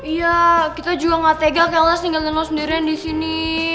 iya kita juga ga tega kayaknya tinggalin lo sendirian disini